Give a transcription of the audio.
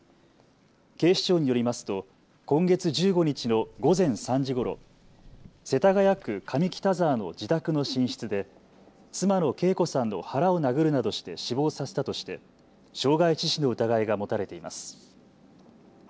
警視庁によりますと今月１５日の午前３時ごろ世田谷区上北沢の自宅の寝室で妻の惠子さんの腹を殴るなどして死亡させたとして傷害致死の疑いが持たれています。